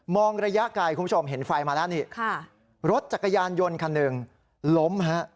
ระยะไกลคุณผู้ชมเห็นไฟมาแล้วนี่ค่ะรถจักรยานยนต์คันหนึ่งล้มฮะ